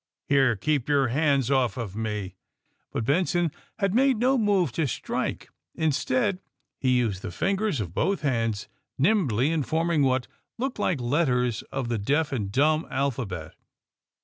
Here, keep your hands off of me !" But Benson had made no move to strike. In stead he used the fingers of both hands nimbly in forming what looked like letters of the deaf and dumb alphabet.